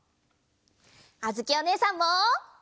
あづきおねえさんも！